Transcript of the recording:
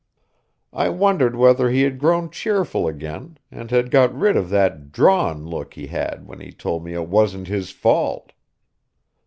I wondered whether he had grown cheerful again, and had got rid of that drawn look he had when he told me it wasn't his fault.